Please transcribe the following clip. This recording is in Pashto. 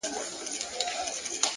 زحمت د استعداد اغېز پراخوي،